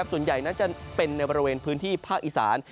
ส่วนใหญ่นั้นจะเป็นในบริเวณพื้นที่ภาคอีสาน